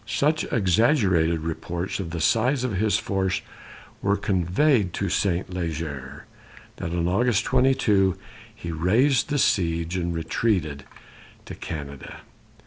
Such exaggerated reports of the size of his force were conveyed to Saint Leger that, on August 22, he raised the siege and retreated to Canada.